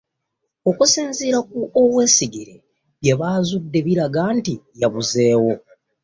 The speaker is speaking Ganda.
Okusinziira ku Owoyesigire, bye bazudde biraga nti yabuzeewo